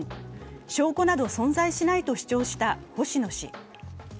証拠など存在しないと主張した星野氏。